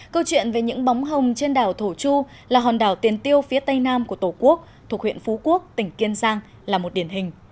câu chuyện về những bóng hồng trên đảo thổ chu là hòn đảo tiền tiêu phía tây nam của tổ quốc thuộc huyện phú quốc tỉnh kiên giang là một điển hình